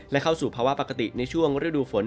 และเข้าสู่ภาวะปกติในช่วงฤดูฝน